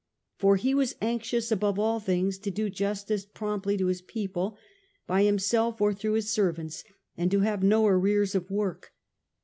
For he was an:xious above all things to do justice promptly to his people, by himself or through his servants, and to have no arrears of work.